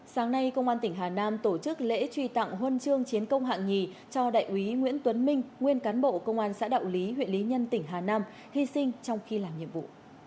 sáng nay công an tỉnh hà nam tổ chức lễ truy tặng huân chương chiến công hạng nhì cho đại úy nguyễn tuấn minh nguyên cán bộ công an xã đạo lý huyện lý nhân tỉnh hà nam hy sinh trong khi làm nhiệm vụ